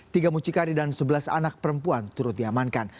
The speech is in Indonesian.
tiga mucikari dan sebelas anak perempuan turut diamankan